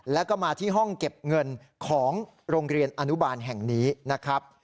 แล้วก็มาที่ห้องเก็บเงินของโรงเรียนอนุบาลแห่งนี้นะครับ